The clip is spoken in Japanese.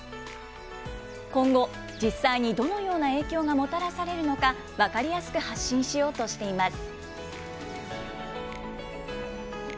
今後、実際にどのような影響がもたらされるのか、分かりやすく発信しようとしています。